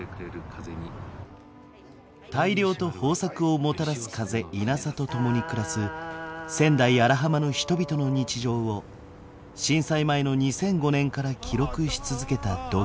大漁と豊作をもたらす風イナサと共に暮らす仙台・荒浜の人々の日常を震災前の２００５年から記録し続けたドキュメンタリー。